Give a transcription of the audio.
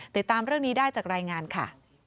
ติดตามเรื่องนี้ได้จากรายงานค่ะ